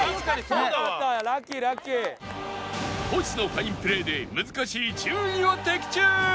トシのファインプレーで難しい１０位を的中！